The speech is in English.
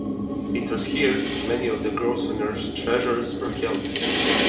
It was in here that many of the Grosvenor treasures were held.